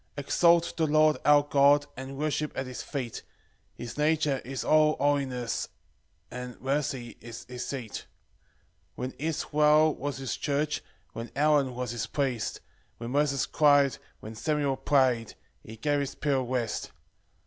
1 Exalt the Lord our God, And worship at his feet; His nature is all holiness, And mercy is his seat. 2 When Israel was his church, When Aaron was his priest, When Moses cry'd, when Samuel pray'd, He gave his people rest.